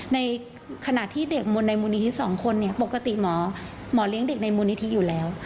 ในขณะที่เด็กในมูลนิธิสองคนเนี่ยปกติหมอเลี้ยงเด็กในมูลนิธิอยู่แล้ว